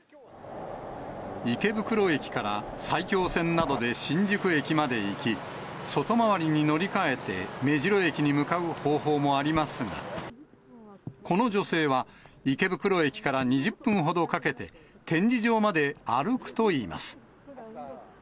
池袋駅から埼京線などで新宿駅まで行き、外回りに乗り換えて、目白駅に向かう方法もありますが、この女性は池袋駅から２０分ほどかけて、展示場まで歩くといいます。